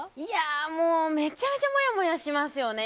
もうめちゃめちゃもやもやしますよね。